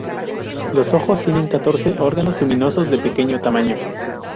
Los ojos tienen catorce órganos luminosos de pequeño tamaño.